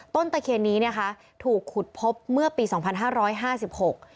ตะเคียนนี้นะคะถูกขุดพบเมื่อปีสองพันห้าร้อยห้าสิบหก